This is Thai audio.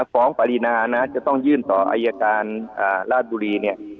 ฟ้องปารีนาจะต้องยื่นต่ออัยการราชบุรี